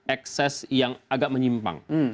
excess yang agak menyimpang